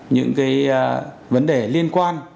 những vấn đề liên quan